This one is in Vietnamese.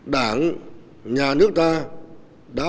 đảng nhà nước ta